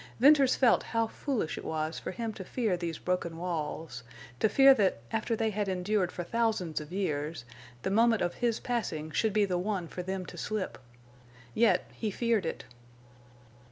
Venters felt how foolish it was for him to fear these broken walls; to fear that, after they had endured for thousands of years, the moment of his passing should be the one for them to slip. Yet he feared it.